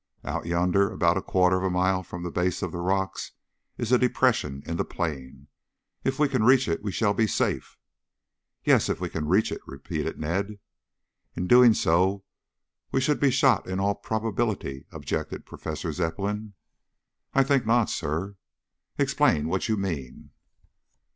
"Out yonder about a quarter of a mile from the base of the rocks is a depression in the plain. If we can reach it we shall be safe " "Yes, if we can reach it," repeated Ned. "In doing so we should be shot in all probability," objected Professor Zepplin. "I think not, sir." "Explain what you mean?"